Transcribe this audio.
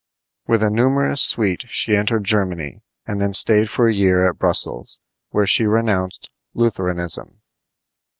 With a numerous suite she entered Germany, and then stayed for a year at Brussels, where she renounced Lutheranism.